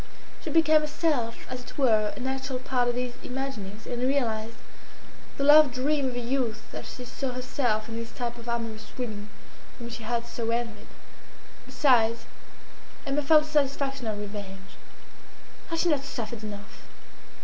She became herself, as it were, an actual part of these imaginings, and realised the love dream of her youth as she saw herself in this type of amorous women whom she had so envied. Besides, Emma felt a satisfaction of revenge. Had she not suffered enough?